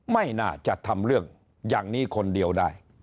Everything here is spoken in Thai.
ไม่น่าจะทำเรื่องอย่างนี้คนเดียวได้